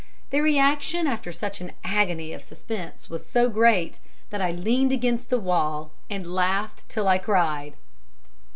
The reaction after such an agony of suspense was so great, that I leaned against the wall, and laughed till I cried.